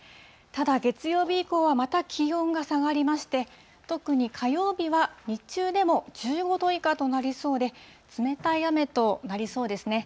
ただ、月曜日以降はまた気温が下がりまして、特に火曜日は日中でも１５度以下となりそうで、冷たい雨となりそうですね。